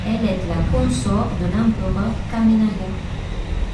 Elle est la consort de l'empereur Kamenaya.